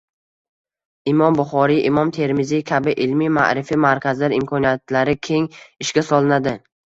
Imom Buxoriy, Imom Termiziy kabi ilmiy-ma’rifiy markazlar imkoniyatlari keng ishga solinadi.